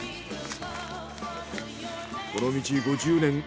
この道５０年